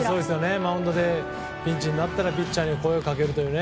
マウンドでピンチになったらピッチャーに声をかけるというね。